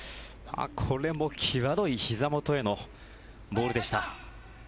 これも際どいひざ元へのボールでした。